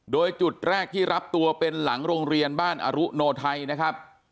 โดยจุดแรกที่รับตัวเป็นหลังโรงเรียนบ้านอรุโนไทยนะครับ